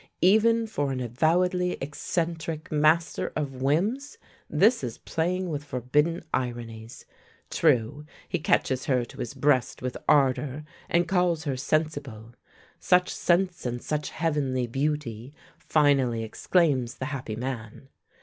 Even for an avowedly eccentric master of whims, this is playing with forbidden ironies. True, he catches her to his breast with ardour, and calls her "sensible." "Such sense and such heavenly beauty," finally exclaims the happy man.